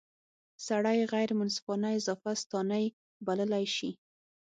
سړی یې غیر منصفانه اضافه ستانۍ بللای شي.